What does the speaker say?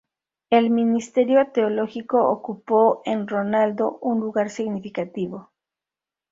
El ministerio teológico ocupó en Ronaldo un lugar significativo.